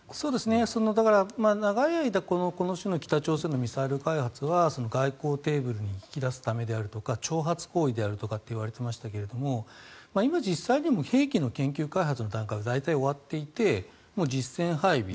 だから、長い間この種の北朝鮮のミサイル開発というのは外交テーブルに引き出すためであるとか挑発行為であるとかいわれてましたけど今、実際に兵器の研究開発の段階は終わっていて実戦配備